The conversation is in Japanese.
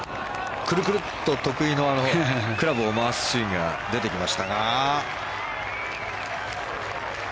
くるくるっと、得意のクラブを回すシーンが出てきましたが。